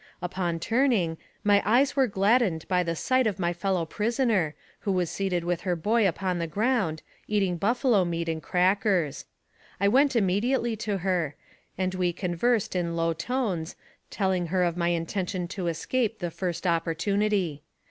Upon returning, my eyes were gladdened by the sight of my fellow prisoner, who was seated with her boy upon the ground, eating buffalo meat and crackers. I went immediately to her, and we conversed in low tones, telling her of my intention to escape the first opportunity.